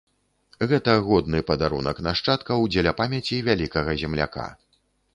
Гэта годны падарунак нашчадкаў дзеля памяці вялікага земляка.